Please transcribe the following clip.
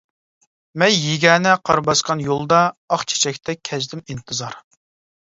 مەن يېگانە قار باسقان يولدا، ئاق چېچەكتەك كەزدىم ئىنتىزار.